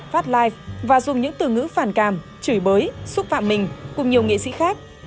phát life và dùng những từ ngữ phản cảm chửi bới xúc phạm mình cùng nhiều nghệ sĩ khác